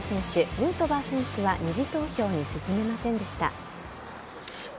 ヌートバー選手は２次投票に進めませんでした。